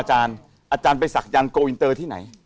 อาจารย์ไปศักยันต์โกอินเตอร์ที่ไหน